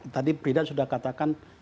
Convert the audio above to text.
tadi pridat sudah katakan